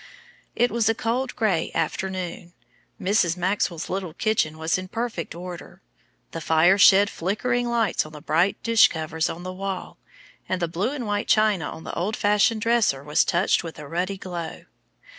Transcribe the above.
It was a cold, gray afternoon. Mrs. Maxwell's little kitchen was in perfect order. The fire shed flickering lights on the bright dish covers on the wall, and the blue and white china on the old fashioned dresser was touched with a ruddy glow.